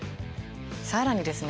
さらにですね